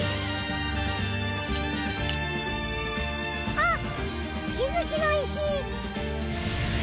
あ⁉きづきのいし！